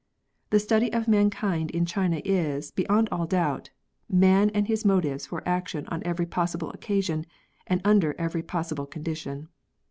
The study of mankind in China is, beyond all doubt — man and his motives for action on every possible occasion, and under every possible condition.